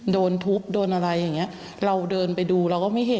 โดนทุบโดนอะไรอย่างเงี้ยเราเดินไปดูเราก็ไม่เห็น